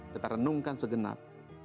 kita renungkan segenap